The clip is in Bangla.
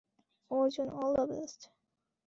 Arjun, all the best!